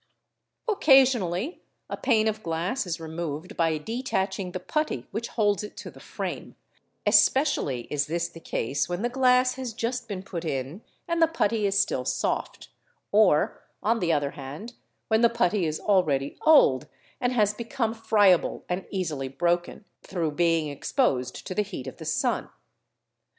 Occasionally a pane of glass is removed by detaching the putty which holds it to the frame, especially is this the case when the glass has just — been put in and the putty is still soft, or, on the other hand, when the : putty is already old and has become friable and easily broken, through — being exposed to the heat of the sun.